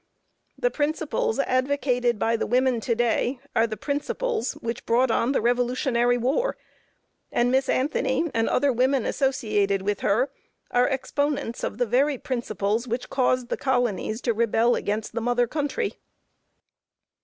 The principles advocated by the women to day are the principles which brought on the revolutionary war, and Miss Anthony and other women associated with her are exponents of the very principles which caused the colonies to rebel against the mother country.